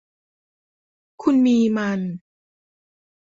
คุณมีมัน